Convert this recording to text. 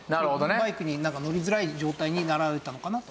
バイクに乗りづらい状態になられたのかなと。